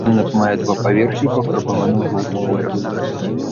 Будынак мае два паверхі і пафарбаваны ў жоўты колер.